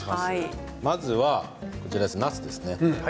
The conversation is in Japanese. まずは、なすですね。